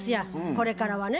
これからはね。